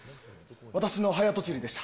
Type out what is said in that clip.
私の早とちりでした。